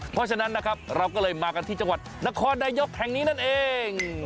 เพราะฉะนั้นนะครับเราก็เลยมากันที่จังหวัดนครนายกแห่งนี้นั่นเอง